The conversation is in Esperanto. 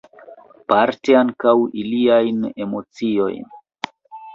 Parte ankaŭ iliajn emociojn.